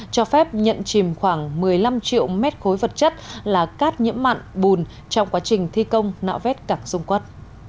cho phép nhận chìm khoảng một mươi năm triệu mét khối vật chất là cát nhiễm mặn bùn trong quá trình thi công nạo vét cảng dung quốc